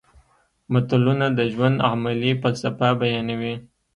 متلونه د ژوند عملي فلسفه بیانوي